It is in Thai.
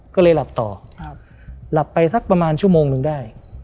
ก็เลยหลับต่อหลับไปสักประมาณชั่วโมงหนึ่งได้